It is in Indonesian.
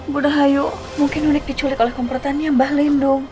bu dahayu mungkin nunik diculik oleh komportan yang balin dong